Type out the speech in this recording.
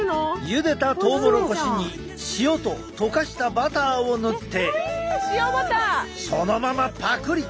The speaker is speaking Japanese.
ゆでたトウモロコシに塩と溶かしたバターを塗ってそのままパクリ！